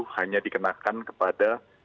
hanya dikenakan kepada